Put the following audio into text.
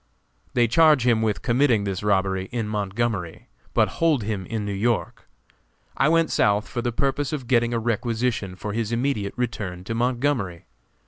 They charge him with committing this robbery in Montgomery, but hold him in New York. I went South for the purpose of getting a requisition for his immediate return to Montgomery.